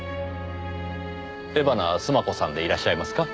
江花須磨子さんでいらっしゃいますか？